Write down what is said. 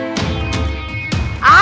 bagaimana keadaannya nyai ratu